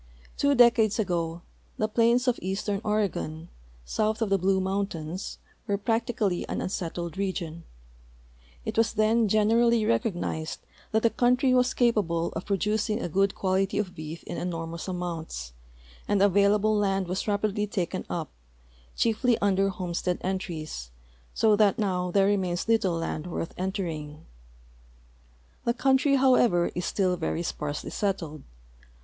Two decades ago the plains of eastern Oregon, soiith of the Blue mountains, were practically an unsettled region. It was then generally recognized that the country was capalde of pro ducing a good quality of beef in enormous amounts, and the available land was rapidly taken up, chierty under homestead entries, so that now there remains little land worth entering. The country, however, is still very sparsely settled.